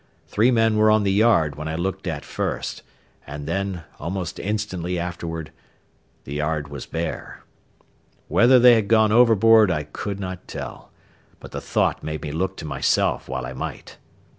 Three men were on the yard when I looked at first, and then, almost instantly afterward, the yard was bare. Whether they had gone overboard I could not tell, but the thought made me look to myself while I might.